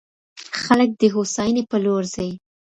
خلګ د هوساینې په لور ځي.